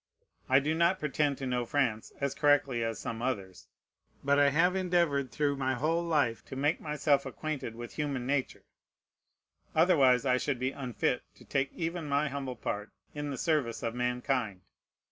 I do not pretend to know France as correctly as some others; but I have endeavored through my whole life to make myself acquainted with human nature, otherwise I should be unfit to take even my humble part in the service of mankind.